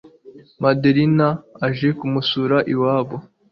madalina aje kumusura iwabo